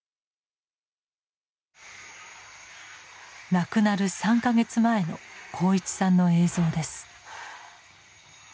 亡くなる３か月前の鋼一さんの映像です。